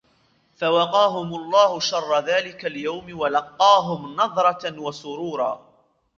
فوقاهم الله شر ذلك اليوم ولقاهم نضرة وسرورا